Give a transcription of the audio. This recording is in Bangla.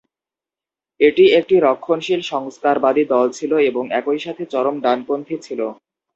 এটি একটি রক্ষণশীল সংস্কারবাদী দল ছিল এবং একই সাথে চরম ডানপন্থী ছিল।